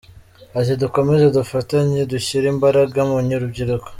Ati “Dukomeze dufatanye dushyire imbaraga mu rubyiruko.